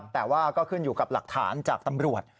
แต่ว่าก็ขึ้นอยู่กับหลักฐานจากตำรวจ